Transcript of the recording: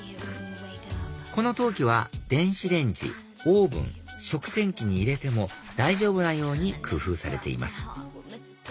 この陶器は電子レンジオーブン食洗機に入れても大丈夫なように工夫されています